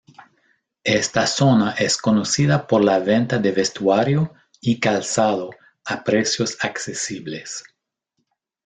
Esta zona es conocida por la venta de vestuario y calzado a precios accesibles.